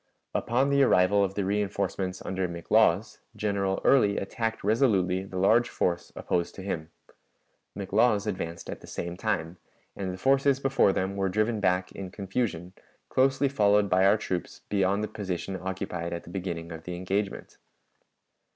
Upon the arrival of the reënforcements under McLaws, General Early attacked resolutely the large force opposed to him. McLaws advanced at the same time, and the forces before them were driven back in confusion, closely followed by our troops beyond the position occupied at the beginning of the engagement.